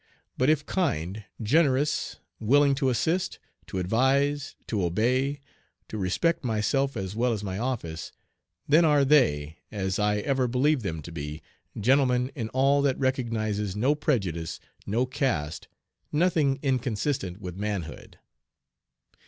But if kind, generous, willing to assist, to advise, to obey, to respect myself as well as my office, then are they, as I ever believed them to be, gentlemen in all that recognizes no prejudice, no caste, nothing inconsistent with manhood.